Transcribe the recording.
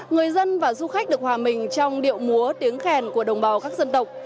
người dân và du khách được hòa mình trong điệu múa tiếng khen của đồng bào các dân tộc